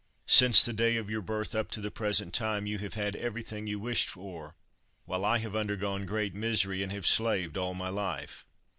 Since the day of your birth up to the present time you have had everything you wished for, while I have undergone great misery, and have slaved all my life.